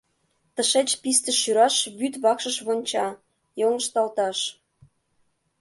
Тышеч «писте шӱраш» вӱд вакшыш вонча, йоҥышталташ.